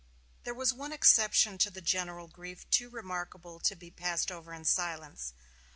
There was one exception to the general grief too remarkable to be passed over in silence.